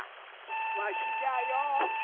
わしじゃよ。